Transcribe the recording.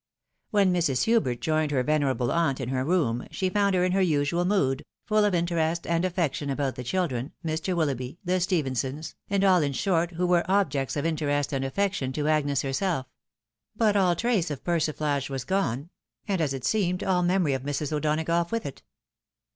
When Mrs. Hubert joined her venerable aunt in her room, she found her in her usual mood, full of interest and affection about the children, Mr. Willoughby, the Stephensons, and all in short, who were objects of interest and affection to Agnes her self ; but all trace of persiflage was gone, and, as it seemed, all memory of Mrs. O'Donagough with it.